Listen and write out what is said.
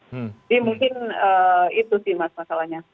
jadi mungkin itu sih mas masalahnya